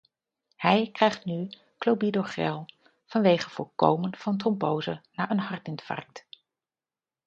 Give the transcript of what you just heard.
Hij krijgt nu clopidogrel vanwege voorkómen van trombose na een hartinfarct.